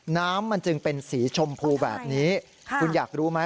น้ำมันจึงเป็นสีชมพูแบบนี้คุณอยากรู้ไหม